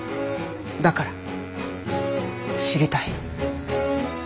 だから知りたい。